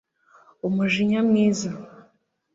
Umujinya mwiza